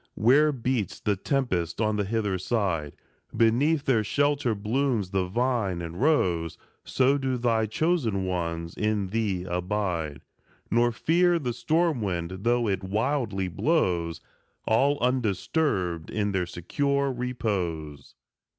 Where beats the tempest on the hither side, Beneath their shelter blooms the vine and rose ; So do thy chosen ones in thee abide, Nor fear the storm wind though it wildly blows, All undisturbed in their secure repose.